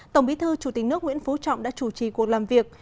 tổng bí thư chủ tịch nước nguyễn phú trọng đã chủ trì cuộc làm việc